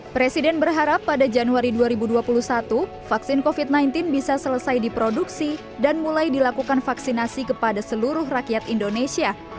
presiden berharap pada januari dua ribu dua puluh satu vaksin covid sembilan belas bisa selesai diproduksi dan mulai dilakukan vaksinasi kepada seluruh rakyat indonesia